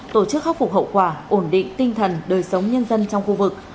tổ chức khắc phục hậu quả ổn định tinh thần đời sống nhân dân trong khu vực